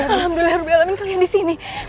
alhamdulillah rumi alamin kalian di sini